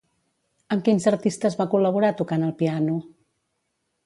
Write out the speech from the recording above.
Amb quins artistes va col·laborar tocant el piano?